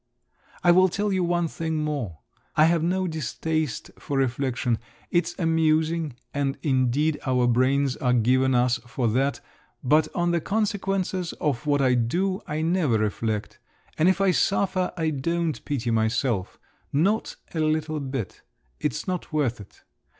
"I will tell you one thing more; I have no distaste for reflection … it's amusing, and indeed our brains are given us for that; but on the consequences of what I do I never reflect, and if I suffer I don't pity myself—not a little bit; it's not worth it.